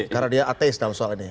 karena dia ateis dalam soal ini